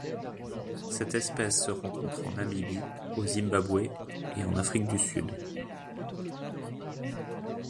Cette espèce se rencontre en Namibie, au Zimbabwe et en Afrique du Sud.